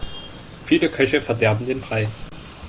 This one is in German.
Viele Köche verderben den Brei.